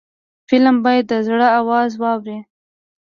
فلم باید د زړه آواز واوري